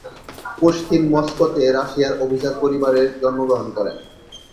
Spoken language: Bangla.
পুশকিন মস্কোতে রাশিয়ার অভিজাত পরিবারে জন্মগ্রহণ করেন।